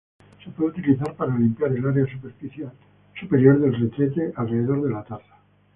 Se puede utilizar para limpiar el área superior del retrete, alrededor de la taza.